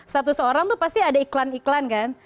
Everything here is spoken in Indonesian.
status orang itu pasti ada iklan iklan kan